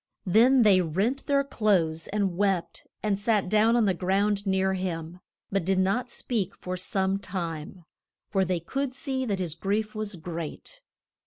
Then they rent their clothes and wept, and sat down on the ground near him, but did not speak for some time, for they could see that his grief was great.